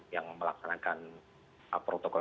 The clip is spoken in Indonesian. yang melaksanakan protokol